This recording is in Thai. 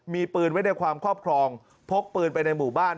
มีปืนไว้ในความครอบครองพกปืนไปในหมู่บ้าน